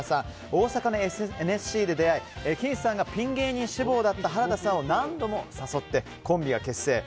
大阪のＮＳＣで出会いピン芸人志望だったきんさんを何度も誘って、コンビが結成。